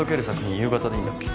夕方でいいんだっけ？